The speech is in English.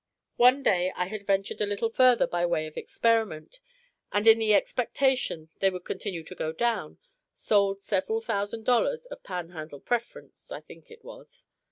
One day I had ventured a little further by way of experiment; and, in the sure expectation they would continue to go down, sold several thousand dollars of Pan Handle Preference (I think it was).